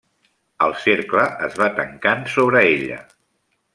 El cercle es va tancant sobre ella.